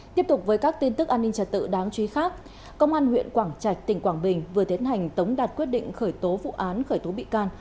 tiếp tục với các tin tức an ninh trật tự đáng chú ý khác công an huyện quảng trạch tỉnh quảng bình vừa tiến hành tống đạt quyết định khởi tố vụ án khởi tố bị can